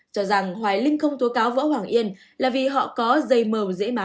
cho rằng hoài linh không tố cáo võ hoàng yên là vì họ có dây mờ dễ má